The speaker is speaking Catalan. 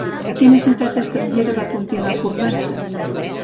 A quina ciutat estrangera va continuar formant-se?